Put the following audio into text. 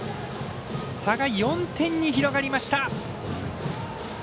差が４点に広がりました。